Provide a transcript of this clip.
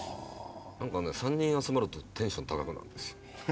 ３人集まるとテンション高くなるんですよ。